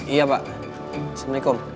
iya pak assalamu'alaikum